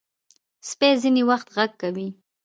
سپي ځینې وخت غږ کوي.